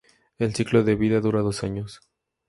El ciclo de vida dura dos años.